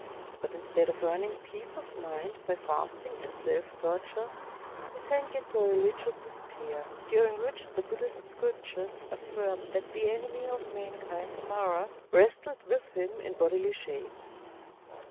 But instead of earning peace of mind by fasting and self torture, he sank into a rehgious despair, during which the Buddhist scriptures affirm that the enemy of mankind. Mara, wrestled v^ith him in bodily shape.